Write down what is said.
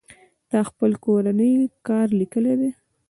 تا خپل کورنۍ کار ليکلى دئ.